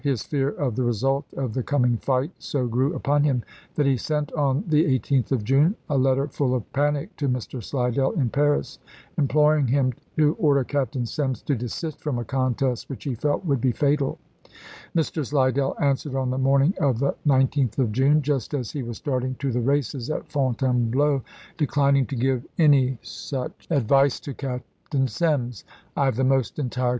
His fear of the result of the coming fight so grew upon him that he sent on the 18th of June a letter full of panic to Mr. Slidell in Paris, imploring him to order Captain Semmes to desist from a contest which he felt would be fatal. Mr. Slidell answered on the morning of the 19th of June, just as he was starting to the races at Fontainebleau, declining to give any such ad CAPTAIN JOHN A. WINSLOW. THE LAST DAYS OF THE REBEL NAVY 145 vice to Captain Semmes. " I have the most entire chap.